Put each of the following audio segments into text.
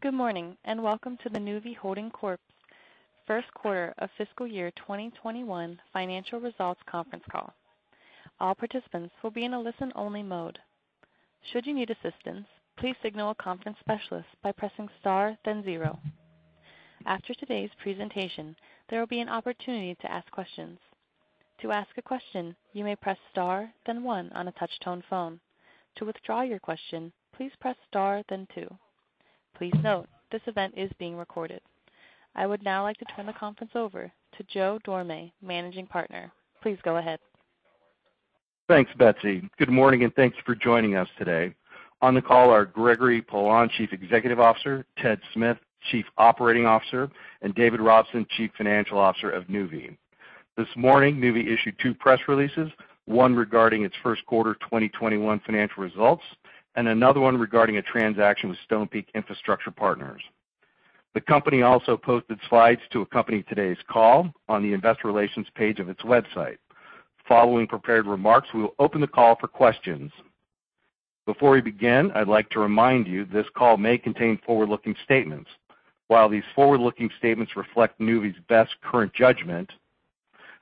Good morning, welcome to the Nuvve Holding Corp's first quarter of fiscal year 2021 financial results conference call. All participants will be in a listen-only mode. After today's presentation, there will be an opportunity to ask questions. Please note, this event is being recorded. I would now like to turn the conference over to Joe Dorame, Managing Partner. Please go ahead. Thanks, Betsy. Good morning, and thanks for joining us today. On the call are Gregory Poilasne, Chief Executive Officer, Ted Smith, Chief Operating Officer, and David Robson, Chief Financial Officer of Nuvve. This morning, Nuvve issued two press releases, one regarding its first quarter 2021 financial results, and another one regarding a transaction with Stonepeak Infrastructure Partners. The company also posted slides to accompany today's call on the investor relations page of its website. Following prepared remarks, we will open the call for questions. Before we begin, I'd like to remind you this call may contain forward-looking statements. While these forward-looking statements reflect Nuvve's best current judgment,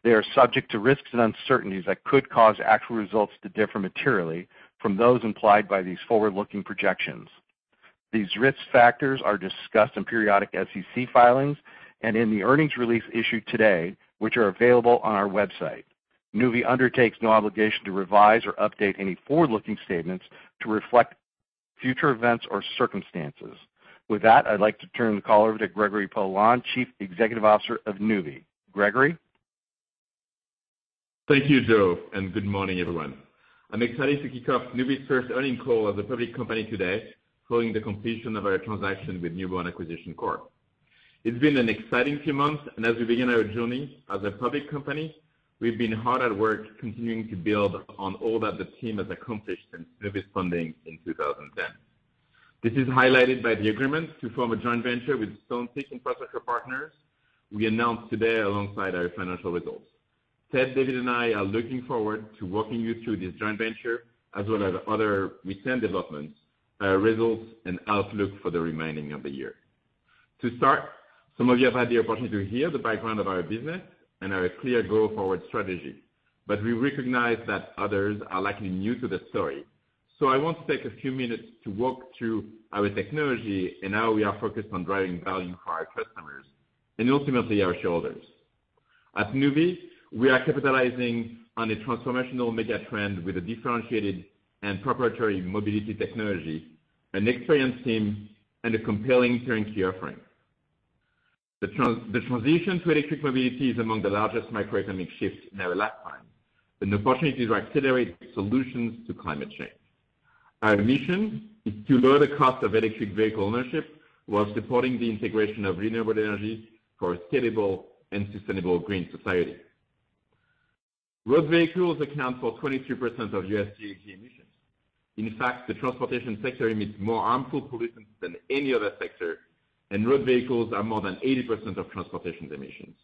they are subject to risks and uncertainties that could cause actual results to differ materially from those implied by these forward-looking projections. These risk factors are discussed in periodic SEC filings and in the earnings release issued today, which are available on our website. Nuvve undertakes no obligation to revise or update any forward-looking statements to reflect future events or circumstances. With that, I'd like to turn the call over to Gregory Poilasne, Chief Executive Officer of Nuvve. Gregory? Thank you, Joe, and good morning, everyone. I'm excited to kick off Nuvve's first earnings call as a public company today, following the completion of our transaction with Newborn Acquisition Corp. It's been an exciting few months, and as we begin our journey as a public company, we've been hard at work continuing to build on all that the team has accomplished since Nuvve's founding in 2010. This is highlighted by the agreement to form a joint venture with Stonepeak Infrastructure Partners we announced today alongside our financial results. Ted, David, and I are looking forward to walking you through this joint venture as well as other recent developments, our results, and outlook for the remaining of the year. To start, some of you have had the opportunity to hear the background of our business and our clear go-forward strategy, but we recognize that others are likely new to the story. I want to take a few minutes to walk through our technology and how we are focused on driving value for our customers and ultimately our shareholders. At Nuvve, we are capitalizing on a transformational mega-trend with a differentiated and proprietary mobility technology, an experienced team, and a compelling turnkey offering. The transition to electric mobility is among the largest macroeconomic shifts in our lifetime and an opportunity to accelerate solutions to climate change. Our mission is to lower the cost of electric vehicle ownership while supporting the integration of renewable energy for a scalable and sustainable green society. Road vehicles account for 23% of U.S. GHG emissions. In fact, the transportation sector emits more harmful pollutants than any other sector, and road vehicles are more than 80% of transportation emissions.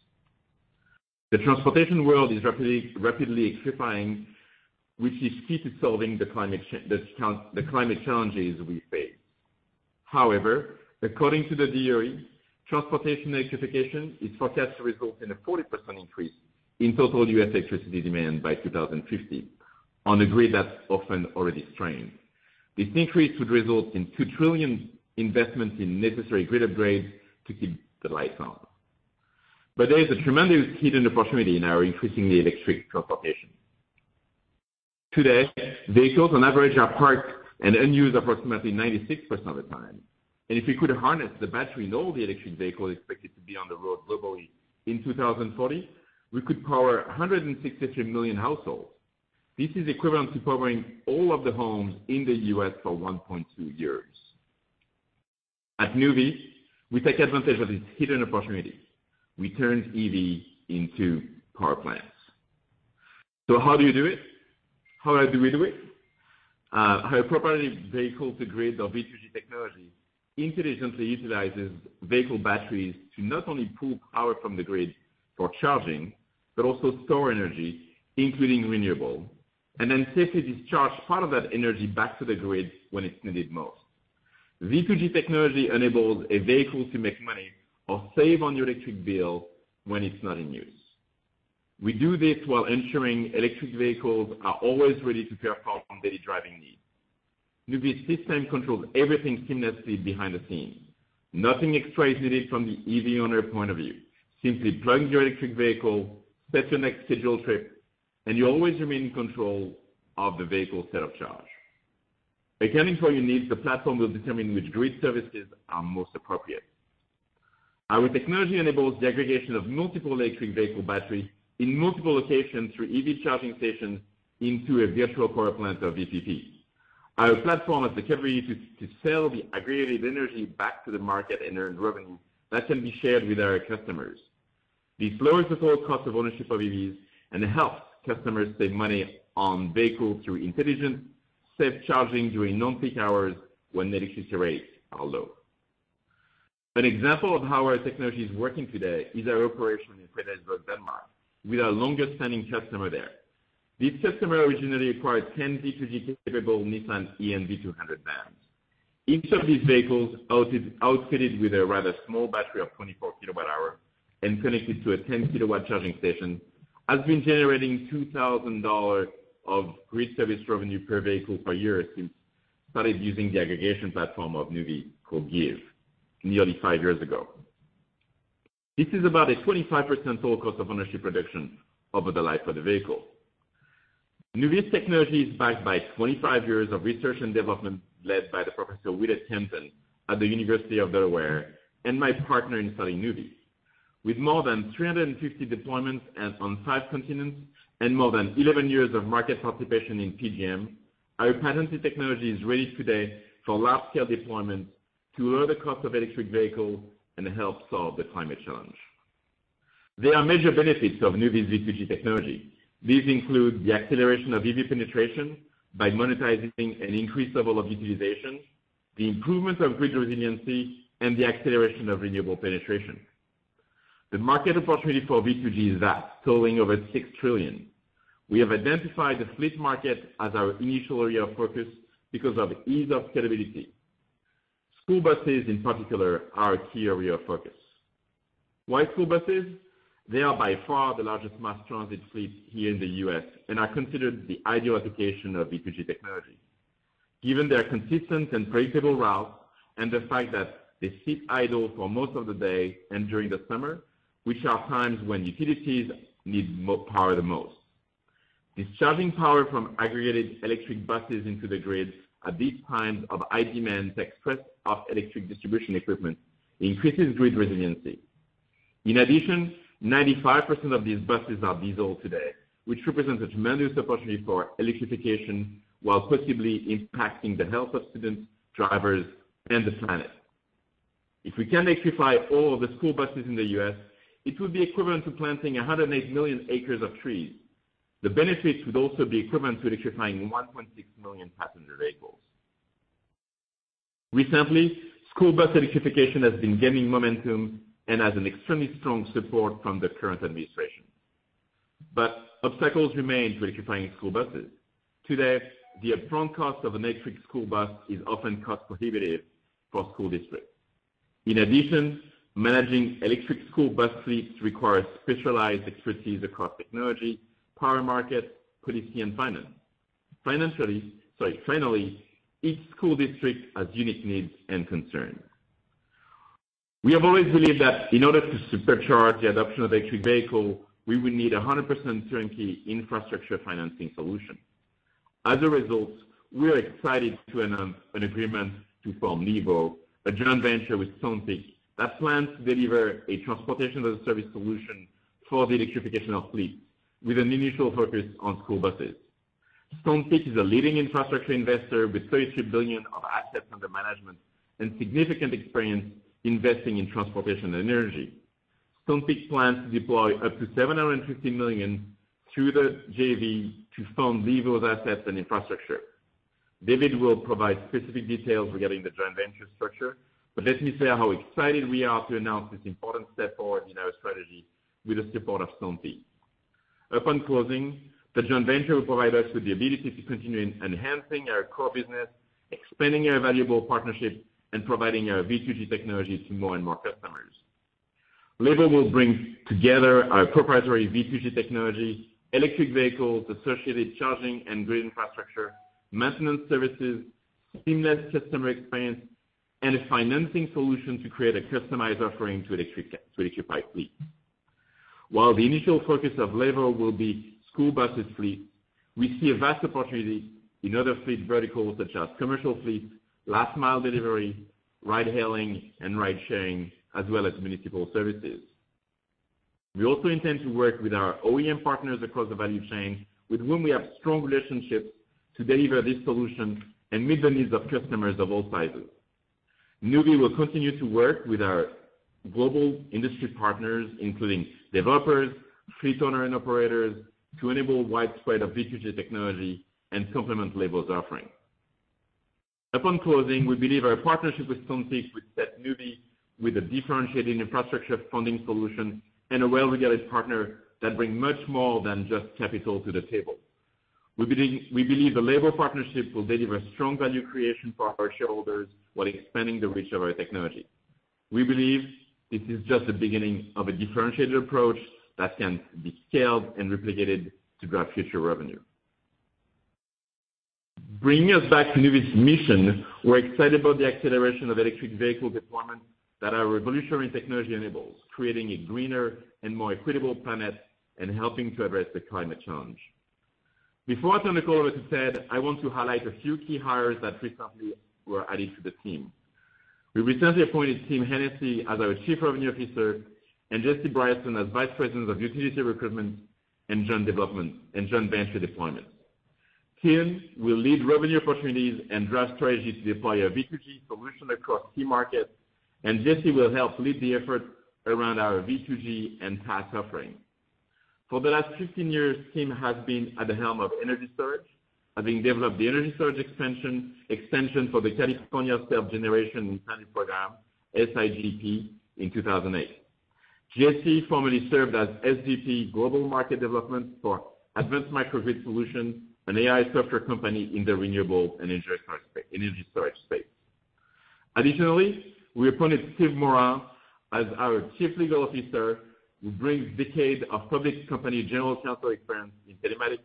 The transportation world is rapidly electrifying, which is key to solving the climate challenges we face. According to the DOE, transportation electrification is forecast to result in a 40% increase in total U.S. electricity demand by 2050 on a grid that's often already strained. This increase would result in $2 trillion investments in necessary grid upgrades to keep the lights on. There is a tremendous hidden opportunity in our increasing electric transportation. Today, vehicles on average are parked and unused approximately 96% of the time. If we could harness the battery in all the electric vehicles expected to be on the road globally in 2040, we could power 160 million households. This is equivalent to powering all of the homes in the U.S. for 1.2 years. At Nuvve, we take advantage of this hidden opportunity. We turn EVs into power plants. How do you do it? How do we do it? Our proprietary vehicle-to-grid or V2G technology intelligently utilizes vehicle batteries to not only pull power from the grid for charging but also store energy, including renewable, and then safely discharge part of that energy back to the grid when it's needed most. V2G technology enables a vehicle to make money or save on your electric bill when it's not in use. We do this while ensuring electric vehicles are always ready to perform their driving needs. Nuvve's system controls everything seamlessly behind the scenes. Nothing extra is needed from the EV owner point of view. Simply plug your electric vehicle, set your next scheduled trip, and you always remain in control of the vehicle state of charge. According to our needs, the platform will determine which grid services are most appropriate. Our technology enables the aggregation of multiple electric vehicle batteries in multiple locations through EV charging stations into a virtual power plant or VPP. Our platform has the capability to sell the aggregated energy back to the market and earn revenue that can be shared with our customers. This lowers the total cost of ownership of EVs and helps customers save money on vehicles through intelligent, safe charging during non-peak hours when electricity rates are low. An example of how our technology is working today is our operation in Fredericia, Denmark, with our longest-standing customer there. This customer originally acquired 10 V2G-capable Nissan e-NV200 vans. Each of these vehicles, outfitted with a rather small battery of 24 kWh and connected to a 10 kW charging station, has been generating $2,000 of grid service revenue per vehicle per year since starting using the aggregation platform of Nuvve, called GIVe, nearly five years ago. This is about a 25% total cost of ownership reduction over the life of the vehicle. Nuvve's technology is backed by 25 years of research and development led by Professor Willett Kempton at the University of Delaware and my partner in founding Nuvve. With more than 350 deployments on five continents and more than 11 years of market participation in PJM, our patented technology is ready today for large-scale deployment to lower the cost of electric vehicles and help solve the climate challenge. There are major benefits of Nuvve's V2G technology. These include the acceleration of EV penetration by monetizing an increased level of utilization, the improvement of grid resiliency, and the acceleration of renewable penetration. The market opportunity for V2G is vast, totaling over $6 trillion. We have identified the fleet market as our initial area of focus because of ease of scalability. School buses, in particular, are a key area of focus. Why school buses? They are by far the largest mass transit fleet here in the U.S. and are considered the ideal application of V2G technology, given their consistent and predictable routes and the fact that they sit idle for most of the day and during the summer, which are times when utilities need power the most. Discharging power from aggregated electric buses into the grid at these times of high demand to stress off electric distribution equipment increases grid resiliency. In addition, 95% of these buses are diesel today, which represents a tremendous opportunity for electrification, while positively impacting the health of students, drivers, and the planet. If we can electrify all of the school buses in the U.S., it would be equivalent to planting 108 million acres of trees. The benefits would also be equivalent to electrifying 1.6 million passenger vehicles. Recently, school bus electrification has been gaining momentum and has extremely strong support from the current administration. Obstacles remain to electrifying school buses. Today, the upfront cost of an electric school bus is often cost-prohibitive for school districts. In addition, managing electric school bus fleets requires specialized expertise across technology, power markets, policy, and finance. Finally, each school district has unique needs and concerns. We have always believed that in order to supercharge the adoption of electric vehicles, we would need 100% turnkey infrastructure financing solution. As a result, we are excited to announce an agreement to form Levo, a joint venture with Stonepeak that plans to deliver a Transportation-as-a-Service solution for the electrification of fleets, with an initial focus on school buses. Stonepeak is a leading infrastructure investor with $32 billion of assets under management and significant experience investing in transportation and energy. Stonepeak plans to deploy up to $750 million through the JV to fund Levo's assets and infrastructure. David will provide specific details regarding the joint venture structure, let me say how excited we are to announce this important step forward in our strategy with the support of Stonepeak. Upon closing, the joint venture will provide us with the ability to continue enhancing our core business, expanding our valuable partnerships, and providing our V2G technology to more and more customers. Levo will bring together our proprietary V2G technology, electric vehicles, associated charging and grid infrastructure, maintenance services, seamless customer experience, and a financing solution to create a customized offering to electrify fleets. While the initial focus of Levo will be school buses fleets, we see a vast opportunity in other fleet verticals such as commercial fleets, last mile delivery, ride hailing, and ride sharing, as well as municipal services. We also intend to work with our OEM partners across the value chain, with whom we have strong relationships to deliver this solution and meet the needs of customers of all sizes. Nuvve will continue to work with our global industry partners, including developers, fleet owners, and operators, to enable widespread V2G technology and complement Levo's offering. Upon closing, we believe our partnership with Stonepeak will set Nuvve with a differentiating infrastructure funding solution, and a well-regarded partner that brings much more than just capital to the table. We believe the Levo partnership will deliver strong value creation for our shareholders while expanding the reach of our technology. We believe this is just the beginning of a differentiated approach that can be scaled and replicated to drive future revenue. Bringing us back to Nuvve's mission, we're excited about the acceleration of electric vehicle deployment that our revolutionary technology enables, creating a greener and more equitable planet and helping to address the climate challenge. Before turning the call over to Ted, I want to highlight a few key hires that recently were added to the team. We recently appointed Tim Hennessy as our Chief Revenue Officer and Jesse Bryson as Vice President of Utility Recruitment and Joint Venture Deployment. Tim will lead revenue opportunities and drive strategy to deploy our V2G solution across key markets. Jesse will help lead the effort around our V2G and PaaS offering. For the last 15 years, Tim has been at the helm of Energy Storage, having developed the Energy Storage extension for the California Self-Generation Incentive Program, SGIP, in 2008. Jesse Bryson formerly served as SGIP global market development for Advanced Microgrid Solutions, an AI software company in the renewable energy storage space. Additionally, we appointed Steve Morin as our Chief Legal Officer, who brings decades of public company general counsel experience in telematics,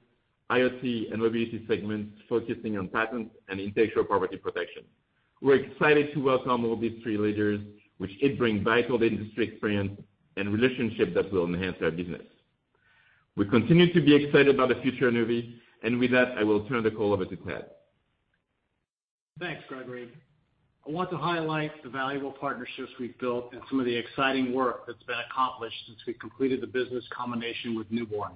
IoT, and mobility segments focusing on patents and intellectual property protection. We're excited to welcome all these three leaders, which each bring valuable industry experience and relationships that will enhance our business. We continue to be excited about the future of Nuvve, and with that, I will turn the call over to Ted. Thanks, Gregory. I want to highlight the valuable partnerships we've built and some of the exciting work that's been accomplished since we completed the business combination with Nuvve.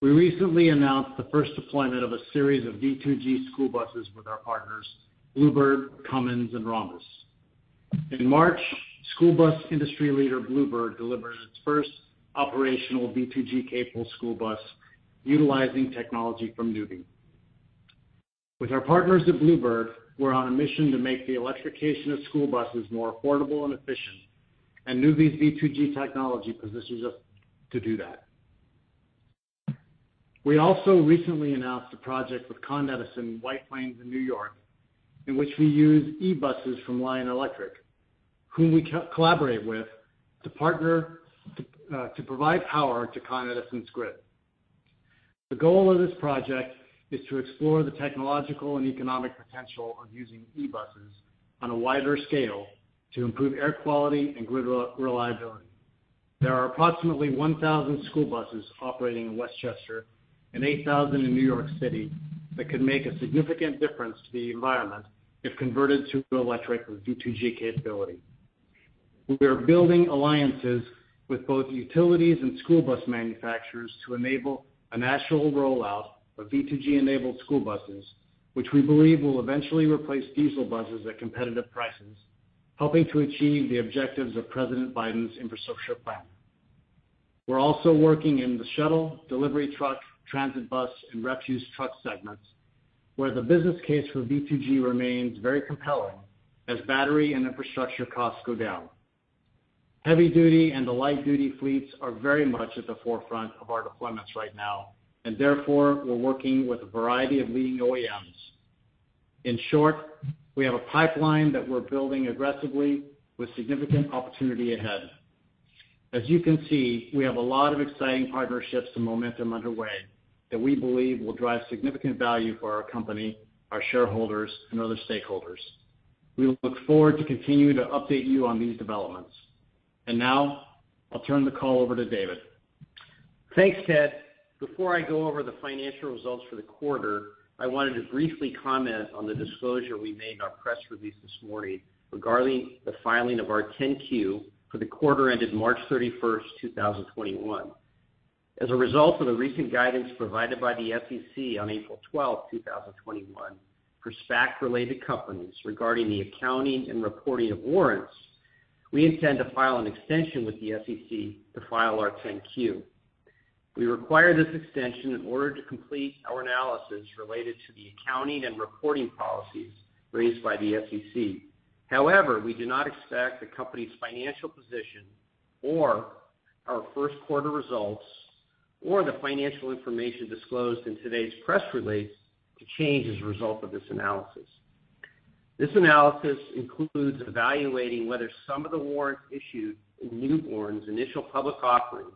We recently announced the first deployment of a series of V2G school buses with our partners Blue Bird, Cummins, and Rhombus. In March, school bus industry leader Blue Bird delivered its first operational V2G-capable school bus utilizing technology from Nuvve. With our partners at Blue Bird, we're on a mission to make the electrification of school buses more affordable and efficient, and Nuvve's V2G technology positions us to do that. We also recently announced a project with Con Edison White Plains in New York, in which we use e-buses from Lion Electric, whom we collaborate with to provide power to Con Edison's grid. The goal of this project is to explore the technological and economic potential of using e-buses on a wider scale to improve air quality and grid reliability. There are approximately 1,000 school buses operating in Westchester and 8,000 in New York City that could make a significant difference to the environment if converted to electric with V2G capability. We are building alliances with both utilities and school bus manufacturers to enable a national rollout of V2G-enabled school buses, which we believe will eventually replace diesel buses at competitive prices, helping to achieve the objectives of President Biden's Infrastructure Plan. We're also working in the shuttle, delivery truck, transit bus, and refuse truck segments, where the business case for V2G remains very compelling as battery and infrastructure costs go down. Heavy-duty and light-duty fleets are very much at the forefront of our deployments right now, and therefore, we're working with a variety of leading OEMs. In short, we have a pipeline that we're building aggressively with significant opportunity ahead. As you can see, we have a lot of exciting partnerships and momentum underway that we believe will drive significant value for our company, our shareholders, and other stakeholders. We look forward to continuing to update you on these developments. Now, I'll turn the call over to David. Thanks, Ted. Before I go over the financial results for the quarter, I wanted to briefly comment on the disclosure we made in our press release this morning regarding the filing of our 10-Q for the quarter ended March 31st, 2021. As a result of the recent guidance provided by the SEC on April 12, 2021, for SPAC-related companies regarding the accounting and reporting of warrants, we intend to file an extension with the SEC to file our 10-Q. We require this extension in order to complete our analysis related to the accounting and reporting policies raised by the SEC. However, we do not expect the company's financial position or our first quarter results or the financial information disclosed in today's press release to change as a result of this analysis. This analysis includes evaluating whether some of the warrants issued in Nuvve's initial public offering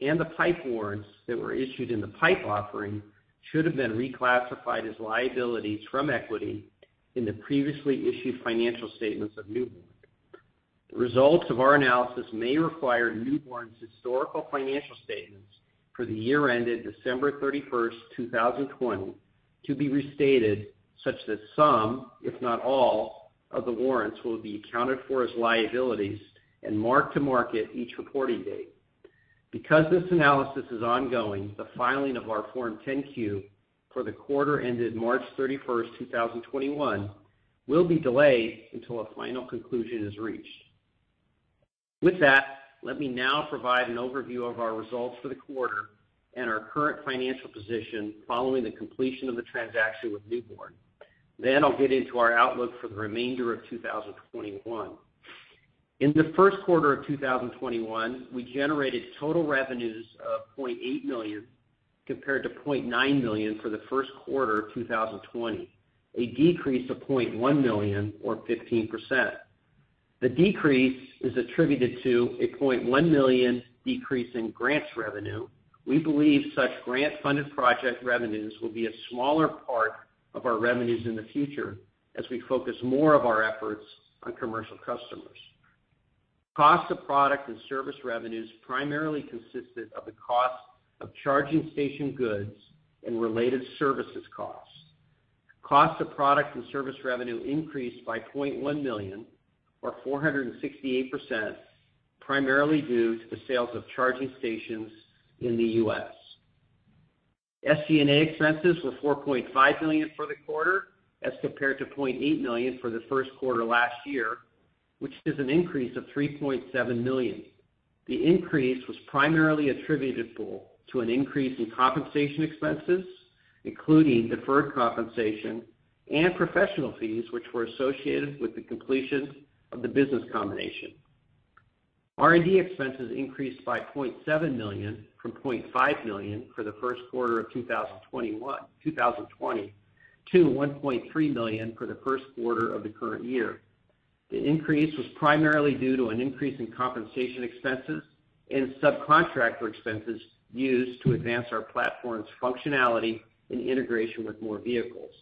and the PIPE warrants that were issued in the PIPE offering should have been reclassified as liabilities from equity in the previously issued financial statements of Nuvve. The results of our analysis may require Nuvve's historical financial statements for the year ended December 31st, 2020, to be restated such that some, if not all, of the warrants will be accounted for as liabilities and marked to market each reporting date. Because this analysis is ongoing, the filing of our Form 10-Q for the quarter ended March 31st, 2021, will be delayed until a final conclusion is reached. With that, let me now provide an overview of our results for the quarter and our current financial position following the completion of the transaction with Nuvve. I'll get into our outlook for the remainder of 2021. In the first quarter of 2021, we generated total revenues of $0.8 million compared to $0.9 million for the first quarter of 2020, a decrease of $0.1 million or 15%. The decrease is attributed to a $0.1 million decrease in grants revenue. We believe such grant-funded project revenues will be a smaller part of our revenues in the future as we focus more of our efforts on commercial customers. Cost of product and service revenues primarily consisted of the cost of charging station goods and related services costs. Cost of product and service revenue increased by $0.1 million, or 468%, primarily due to the sales of charging stations in the U.S. SG&A expenses were $4.5 million for the quarter as compared to $0.8 million for the first quarter last year, which is an increase of $3.7 million. The increase was primarily attributable to an increase in compensation expenses, including deferred compensation and professional fees, which were associated with the completion of the business combination. R&D expenses increased by $0.7 million from $0.5 million for the first quarter of 2020, to $1.3 million for the first quarter of the current year. The increase was primarily due to an increase in compensation expenses and subcontractor expenses used to advance our platform's functionality and integration with more vehicles.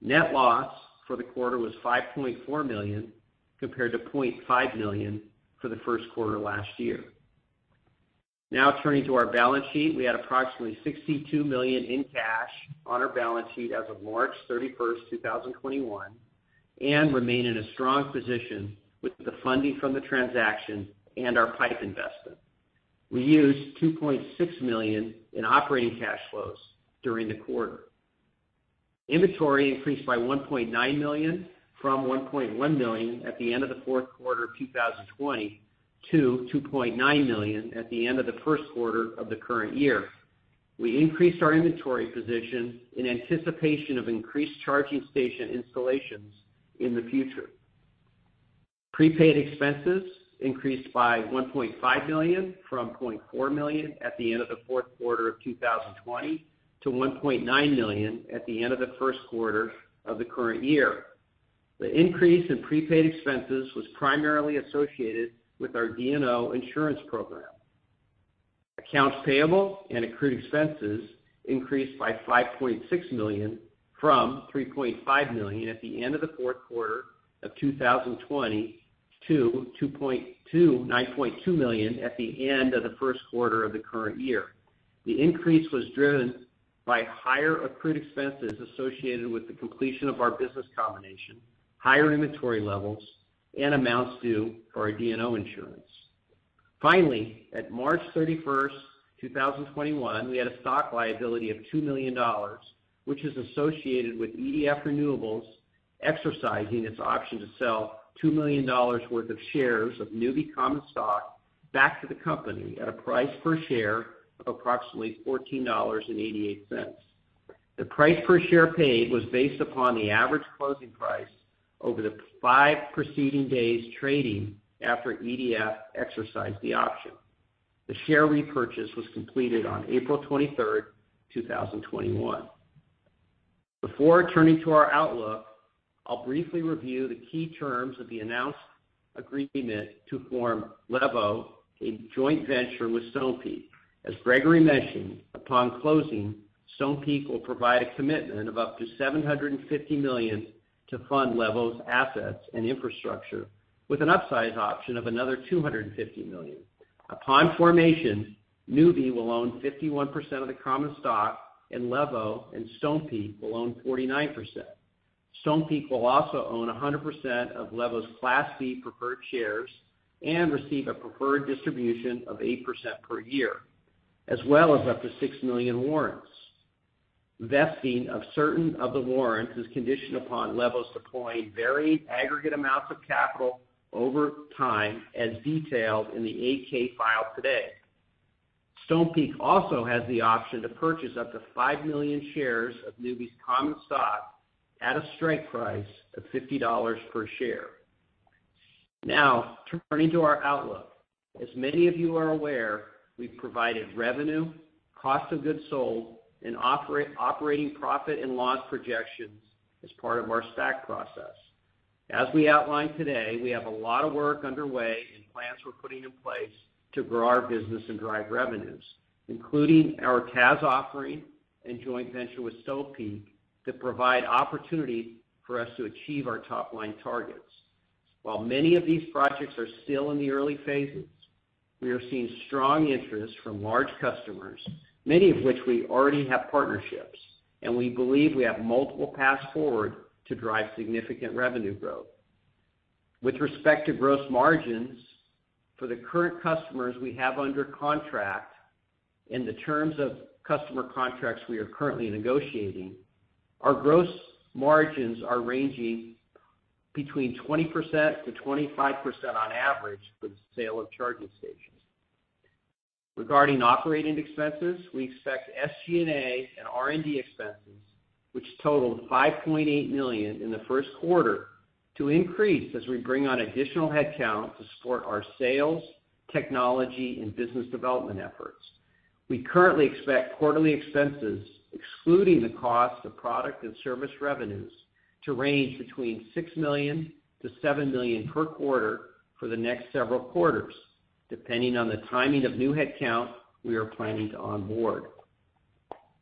Net loss for the quarter was $5.4 million, compared to $0.5 million for the first quarter last year. Turning to our balance sheet. We had approximately $62 million in cash on our balance sheet as of March 31st, 2021, and remain in a strong position with the funding from the transaction and our PIPE investment. We used $2.6 million in operating cash flows during the quarter. Inventory increased by $1.9 million from $1.1 million at the end of the fourth quarter of 2020 to $2.9 million at the end of the first quarter of the current year. We increased our inventory position in anticipation of increased charging station installations in the future. Prepaid expenses increased by $1.5 million from $0.4 million at the end of the fourth quarter of 2020 to $1.9 million at the end of the first quarter of the current year. The increase in prepaid expenses was primarily associated with our D&O insurance program. Accounts payable and accrued expenses increased by $5.6 million from $3.5 million at the end of the fourth quarter of 2020 to $9.2 million at the end of the first quarter of the current year. The increase was driven by higher accrued expenses associated with the completion of our business combination, higher inventory levels, and amounts due for our D&O insurance. Finally, at March 31, 2021, we had a stock liability of $2 million, which is associated with EDF Renewables exercising its option to sell $2 million worth of shares of Nuvve common stock back to the company at a price per share of approximately $14.88. The price per share paid was based upon the average closing price over the five preceding days trading after EDF exercised the option. The share repurchase was completed on April 23, 2021. Before turning to our outlook, I'll briefly review the key terms of the announced agreement to form Levo, a joint venture with Stonepeak. As Gregory mentioned, upon closing, Stonepeak will provide a commitment of up to $750 million to fund Levo's assets and infrastructure with an upsize option of another $250 million. Upon formation, Nuvve will own 51% of the common stock in Levo, and Stonepeak will own 49%. Stonepeak will also own 100% of Levo's Class C preferred shares and receive a preferred distribution of 8% per year, as well as up to 6 million warrants. Vesting of certain of the warrants is conditioned upon Levo supplying varied aggregate amounts of capital over time, as detailed in the 8-K filed today. Stonepeak also has the option to purchase up to 5 million shares of Nuvve's common stock at a strike price of $50 per share. Turning to our outlook. As many of you are aware, we've provided revenue, cost of goods sold, and operating profit and loss projections as part of our SPAC process. As we outlined today, we have a lot of work underway and plans we're putting in place to grow our business and drive revenues, including our TaaS offering and joint venture with Stonepeak that provide opportunity for us to achieve our top-line targets. While many of these projects are still in the early phases, we are seeing strong interest from large customers, many of which we already have partnerships, and we believe we have multiple paths forward to drive significant revenue growth. With respect to gross margins, for the current customers we have under contract and the terms of customer contracts we are currently negotiating, our gross margins are ranging between 20%-25% on average for the sale of charging stations. Regarding operating expenses, we expect SG&A and R&D expenses, which totaled $5.8 million in the first quarter, to increase as we bring on additional headcount to support our sales, technology, and business development efforts. We currently expect quarterly expenses, excluding the cost of product and service revenues, to range between $6 million-$7 million per quarter for the next several quarters, depending on the timing of new headcount we are planning to onboard.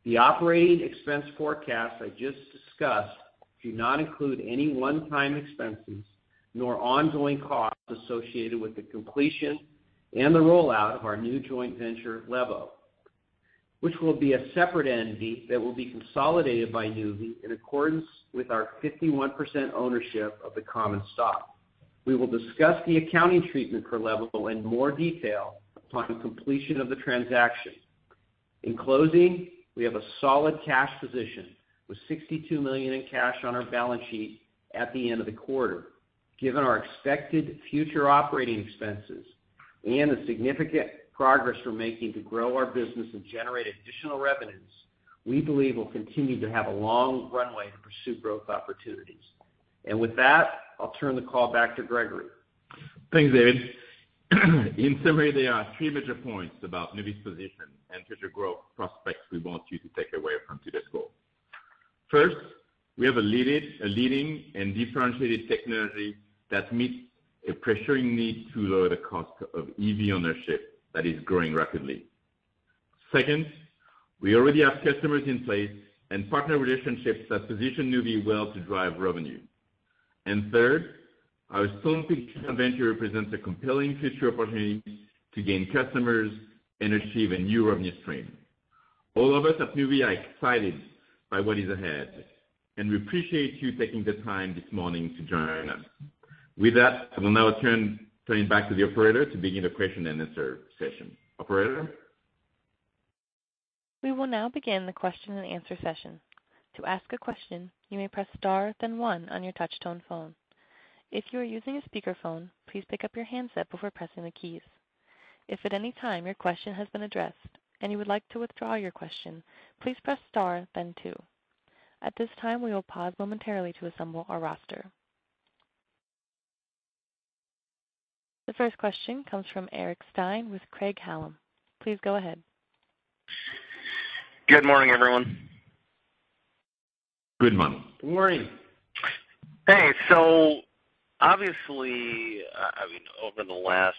The operating expense forecast I just discussed do not include any one-time expenses, nor ongoing costs associated with the completion and the rollout of our new joint venture, Levo, which will be a separate entity that will be consolidated by Nuvve in accordance with our 51% ownership of the common stock. We will discuss the accounting treatment per Levo in more detail upon completion of the transaction. In closing, we have a solid cash position with $62 million in cash on our balance sheet at the end of the quarter. Given our expected future operating expenses and the significant progress we're making to grow our business and generate additional revenues, we believe we'll continue to have a long runway to pursue growth opportunities. With that, I'll turn the call back to Gregory. Thanks, David. In summary, there are three major points about Nuvve's position and future growth prospects we want you to take away from today's call. First, we have a leading and differentiated technology that meets a pressuring need to lower the cost of EV ownership that is growing rapidly. Second, we already have customers in place and partner relationships that position Nuvve well to drive revenue. Third, our Stonepeak joint venture represents a compelling future opportunity to gain customers and achieve a new revenue stream. All of us at Nuvve are excited by what is ahead, and we appreciate you taking the time this morning to join us. With that, I will now turn it back to the operator to begin the question and answer session. Operator? We will now begin the question and answer session. To ask a question, you may press star then one on your touch-tone phone. If you are using a speakerphone, please pick up your handset before pressing the keys. If at any time your question has been addressed and you would like to withdraw your question, please press star then two. At this time, we will pause momentarily to assemble our roster. The first question comes from Eric Stine with Craig-Hallum. Please go ahead. Good morning, everyone. Good morning. Good morning. Obviously, over the last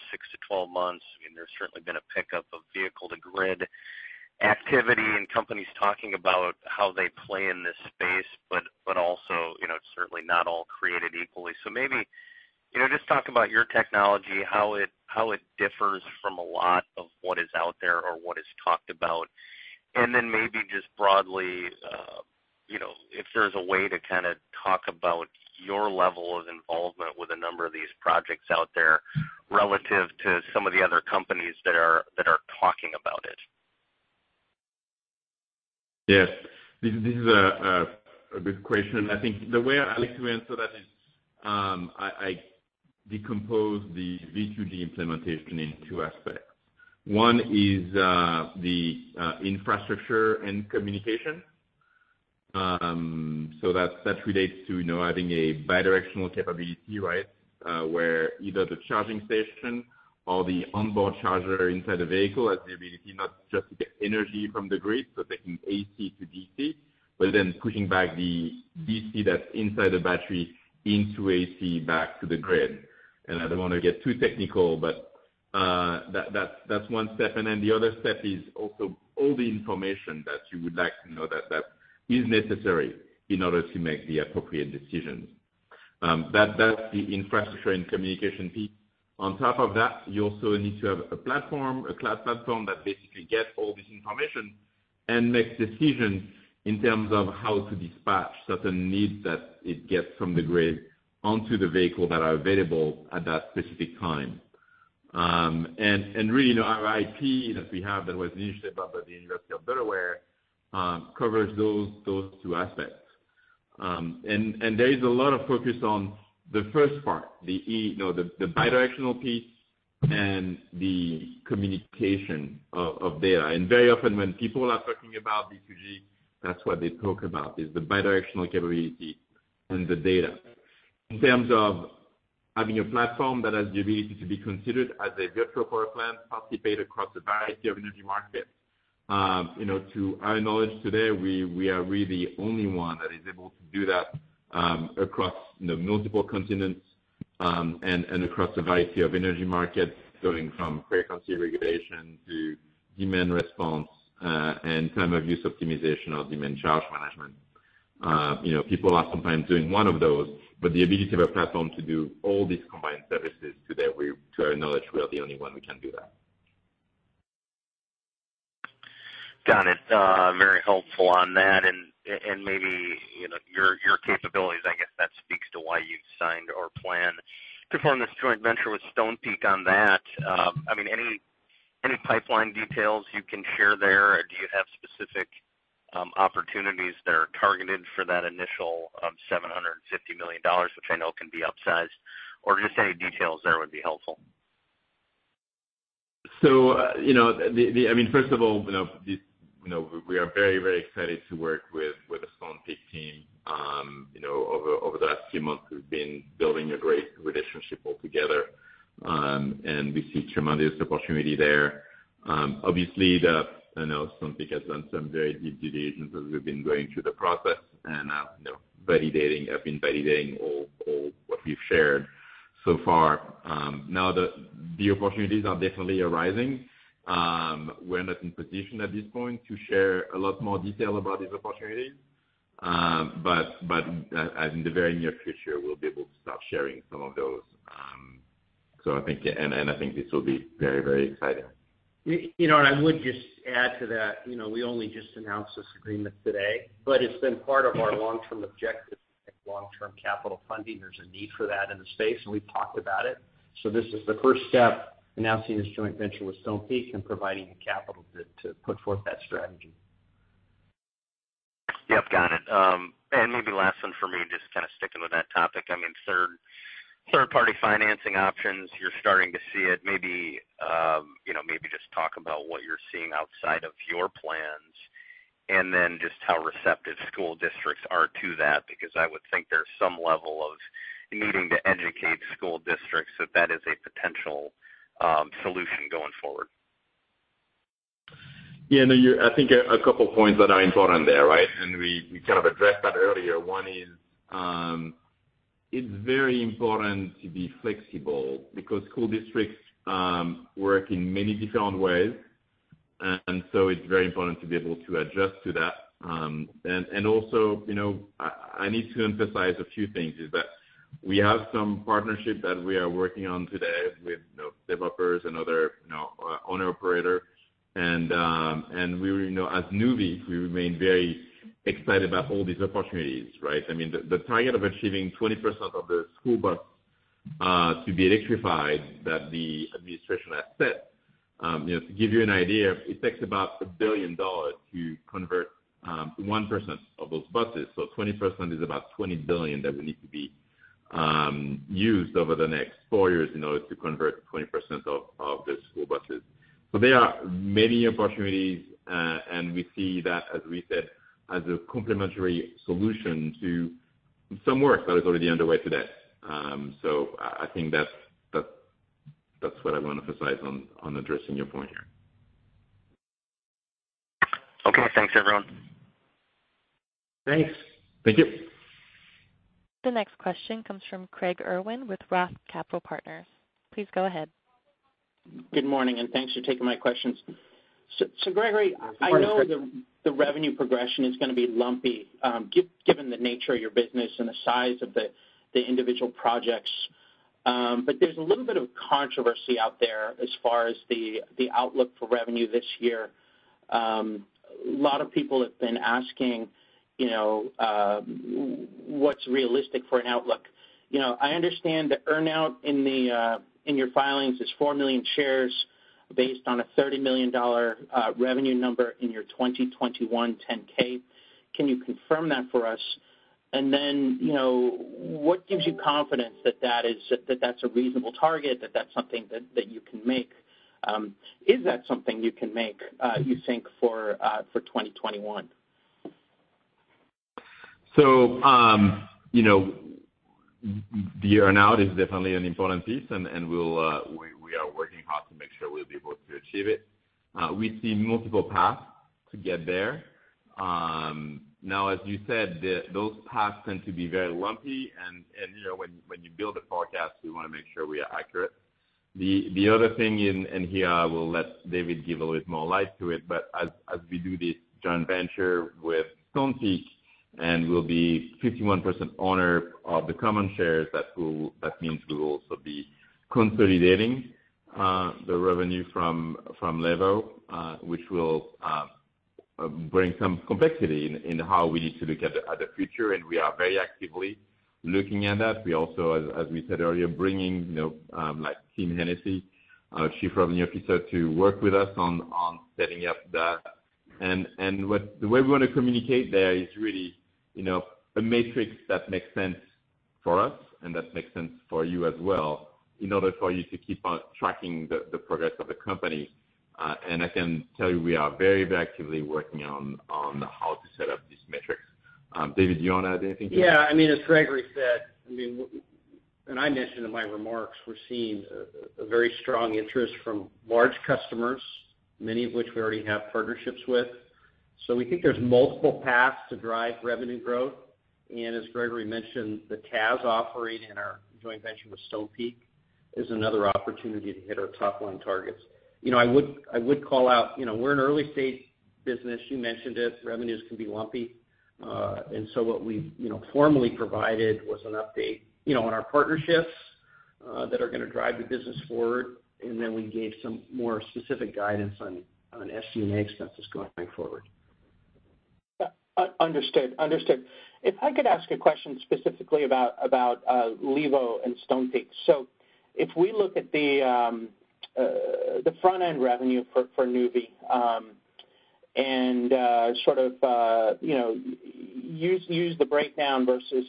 6-12 months, there's certainly been a pickup of vehicle-to-grid activity and companies talking about how they play in this space, also, it's certainly not all created equally. Maybe, just talk about your technology, how it differs from a lot of what is out there or what is talked about. Then maybe just broadly, if there's a way to talk about your level of involvement with a number of these projects out there relative to some of the other companies that are talking about it. Yes. This is a good question. I think the way I like to answer that is, I decompose the V2G implementation in two aspects. One is the infrastructure and communication. That relates to having a bidirectional capability, where either the charging station or the onboard charger inside the vehicle has the ability not just to get energy from the grid, taking AC to DC, pushing back the DC that's inside the battery into AC back to the grid. I don't want to get too technical, but that's one step. The other step is also all the information that you would like to know that is necessary in order to make the appropriate decisions. That's the infrastructure and communication piece. On top of that, you also need to have a platform, a cloud platform, that basically gets all this information and makes decisions in terms of how to dispatch certain needs that it gets from the grid onto the vehicle that are available at that specific time. Really, our IP that we have, that was an initiative out of the University of Delaware, covers those two aspects. There is a lot of focus on the first part, the bidirectional piece and the communication of data. Very often when people are talking about V2G, that's what they talk about is the bidirectional capability and the data. In terms of having a platform that has the ability to be considered as a virtual power plant, participate across a variety of energy markets, to our knowledge today, we are really the only one that is able to do that across multiple continents, and across a variety of energy markets, going from frequency regulation to demand response, and time of use optimization or demand charge management. People are sometimes doing one of those, but the ability to have a platform to do all these combined services, to our knowledge, we are the only one who can do that. Got it. Very helpful on that, and maybe your capabilities, I guess, that speaks to why you've signed or plan to form this joint venture with Stonepeak on that. Any pipeline details you can share there? Do you have specific opportunities that are targeted for that initial $750 million, which I know can be upsized, or just any details there would be helpful. First of all, we are very excited to work with the Stonepeak team. Over the last few months, we've been building a great relationship altogether, and we see tremendous opportunity there. Obviously, Stonepeak has done some very deep due diligence as we've been going through the process, and have been validating all what we've shared so far. The opportunities are definitely arising. We're not in position at this point to share a lot more detail about these opportunities, but in the very near future, we'll be able to start sharing some of those. I think this will be very exciting. I would just add to that, we only just announced this agreement today, but it's been part of our long-term objective, long-term capital funding. There's a need for that in the space, and we've talked about it. This is the first step, announcing this joint venture with Stonepeak and providing the capital to put forth that strategy. Yep, got it. Maybe last one for me, just sticking with that topic. Third-party financing options, you're starting to see it. Maybe just talk about what you're seeing outside of your plans, and then just how receptive school districts are to that, because I would think there's some level of needing to educate school districts if that is a potential solution going forward. Yeah. No, I think a couple of points that are important there, right? We kind of addressed that earlier. One is, it's very important to be flexible because school districts work in many different ways. It's very important to be able to adjust to that. Also, I need to emphasize a few things, is that we have some partnership that we are working on today with developers and other owner/operator. As Nuvve, we remain very excited about all these opportunities, right? The target of achieving 20% of the school bus to be electrified that the administration has set. To give you an idea, it takes about $1 billion to convert 1% of those buses. 20% is about $20 billion that will need to be used over the next four years in order to convert 20% of the school buses. There are many opportunities, and we see that, as we said, as a complementary solution to some work that is already underway today. I think that's what I want to emphasize on addressing your point here. Okay, thanks, everyone. Thanks. Thank you. The next question comes from Craig Irwin with Roth Capital Partners. Please go ahead. Good morning, and thanks for taking my questions. Good morning, Craig. I know the revenue progression is going to be lumpy given the nature of your business and the size of the individual projects. There's a little bit of controversy out there as far as the outlook for revenue this year. A lot of people have been asking what's realistic for an outlook. I understand the earn-out in your filings is 4 million shares based on a $30 million revenue number in your 2021 10-K. Can you confirm that for us? Then, what gives you confidence that that's a reasonable target, that that's something that you can make? Is that something you can make, you think, for 2021? The earn-out is definitely an important piece, and we are working hard to make sure we'll be able to achieve it. We see multiple paths to get there. As you said, those paths tend to be very lumpy, and when you build a forecast, we want to make sure we are accurate. The other thing in here, I will let David give a little bit more light to it, but as we do this joint venture with Stonepeak, and we'll be 51% owner of the common shares, that means we will also be consolidating the revenue from Levo, which will bring some complexity in how we need to look at the future, and we are very actively looking at that. We also, as we said earlier, bringing Tim Hennessy, our Chief Revenue Officer, to work with us on setting up that. The way we want to communicate there is really a matrix that makes sense for us and that makes sense for you as well in order for you to keep on tracking the progress of the company. I can tell you we are very actively working on how to set up these metrics. David, do you want to add anything to that? Yeah. As Gregory said, and I mentioned in my remarks, we're seeing a very strong interest from large customers, many of which we already have partnerships with. We think there's multiple paths to drive revenue growth. As Gregory mentioned, the TaaS offering in our joint venture with Stonepeak is another opportunity to hit our top-line targets. I would call out, we're an early-stage business. You mentioned it. Revenues can be lumpy. What we formally provided was an update on our partnerships that are going to drive the business forward, and then we gave some more specific guidance on SG&A expenses going forward. Understood. If I could ask a question specifically about Levo and Stonepeak. If we look at the front-end revenue for Nuvve and sort of use the breakdown versus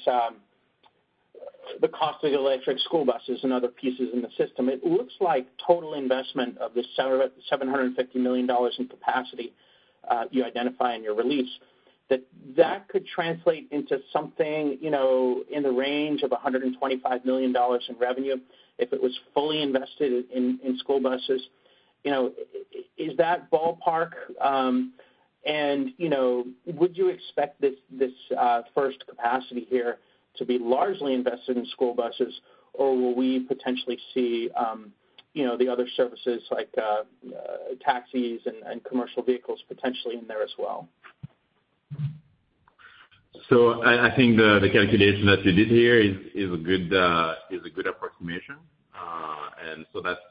the cost of electric school buses and other pieces in the system, it looks like total investment of the $750 million in capacity you identify in your release, that that could translate into something in the range of $125 million in revenue if it was fully invested in school buses. Is that ballpark? Would you expect this first capacity here to be largely invested in school buses, or will we potentially see the other services like taxis and commercial vehicles potentially in there as well? I think the calculation that you did here is a good approximation.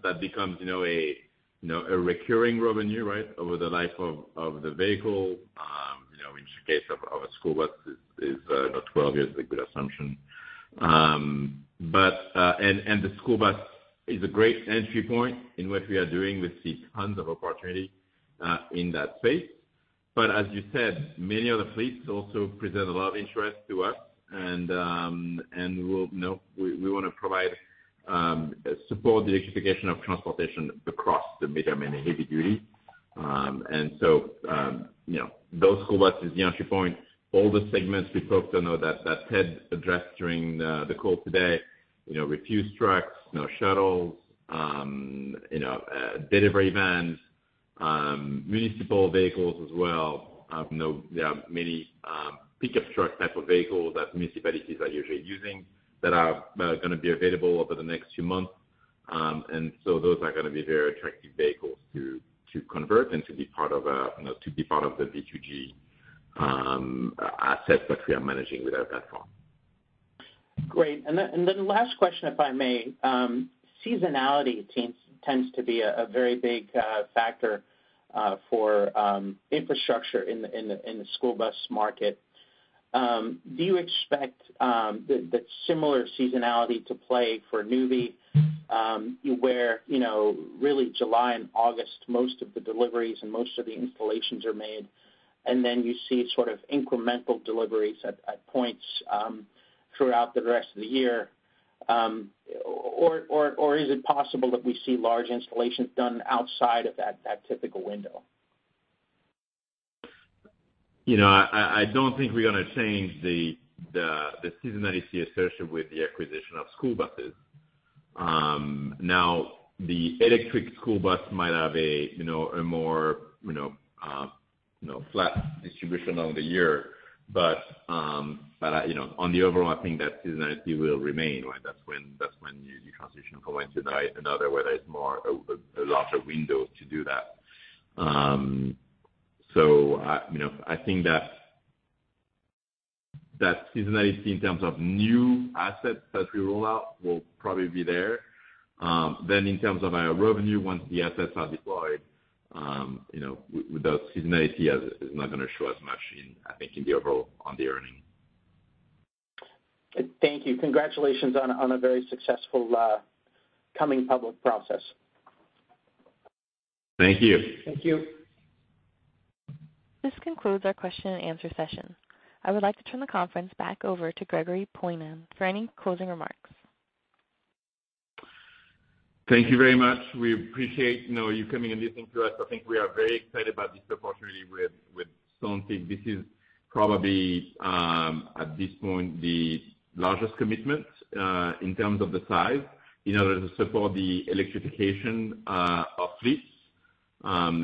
That becomes a recurring revenue over the life of the vehicle. In the case of our school bus, about 12 years is a good assumption. The school bus is a great entry point in what we are doing with the tons of opportunity in that space. As you said, many other fleets also present a lot of interest to us and we want to provide, support the electrification of transportation across the medium and the heavy duty. Those school buses, the entry point, all the segments we spoke to, that Ted addressed during the call today, refuse trucks, shuttles, delivery vans, municipal vehicles as well. There are many pickup truck type of vehicles that municipalities are usually using that are going to be available over the next few months. Those are going to be very attractive vehicles to convert and to be part of the V2G assets that we are managing with our platform. Great. Last question, if I may. Seasonality tends to be a very big factor for infrastructure in the school bus market. Do you expect the similar seasonality to play for Nuvve, where really July and August, most of the deliveries and most of the installations are made, and then you see sort of incremental deliveries at points throughout the rest of the year? Is it possible that we see large installations done outside of that typical window? I don't think we're going to change the seasonality associated with the acquisition of school buses. The electric school bus might have a more flat distribution along the year. On the overall, I think that seasonality will remain. That's when you transition from one to the other, where there's more a larger window to do that. I think that seasonality in terms of new assets that we roll out will probably be there. In terms of our revenue, once the assets are deployed, that seasonality is not going to show as much, I think, in the overall on the earnings. Thank you. Congratulations on a very successful coming public process. Thank you. Thank you. This concludes our question and answer session. I would like to turn the conference back over to Gregory Poilasne for any closing remarks. Thank you very much. We appreciate you coming and listening to us. I think we are very excited about this opportunity with Stonepeak. This is probably, at this point, the largest commitment, in terms of the size, in order to support the electrification of fleets. Also,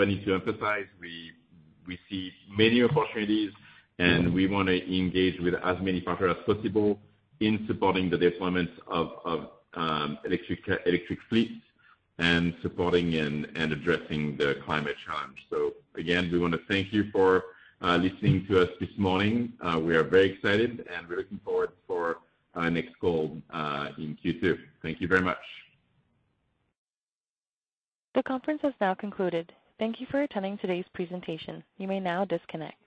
I need to emphasize, we see many opportunities and we want to engage with as many partners as possible in supporting the deployment of electric fleets and supporting and addressing the climate change. Again, we want to thank you for listening to us this morning. We are very excited and we're looking forward for our next call in Q2. Thank you very much. The conference has now concluded. Thank you for attending today's presentation. You may now disconnect.